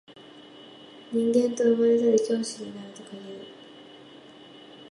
人間と生まれたら教師となるに限る